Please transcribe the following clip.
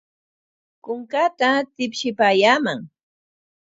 Kunkaata tipshipaayaaman.